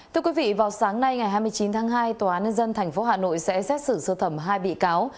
thưa quý vị vào sáng nay ngày hai mươi chín tháng hai tòa án nhân dân tp hà nội sẽ xét xử sơ thẩm hai bị cáo